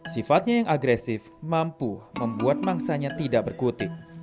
sifatnya yang agresif mampu membuat mangsanya tidak berkutik